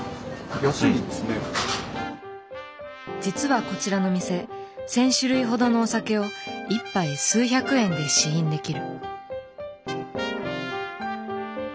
実はこちらの店１，０００種類ほどのお酒を１杯数百円で試飲できる。